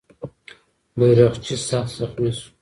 بیرغچی سخت زخمي سو.